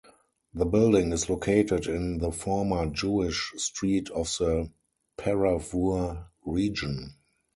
The building is located in the former Jewish Street of the Paravur region.